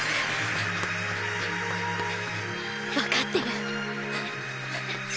わかってる！